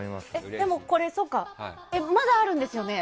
これ、まだあるんですよね？